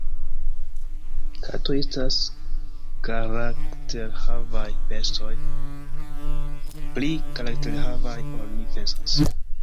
Katoj estas karakterhavaj bestoj, pli karakterhavaj ol ni pensas.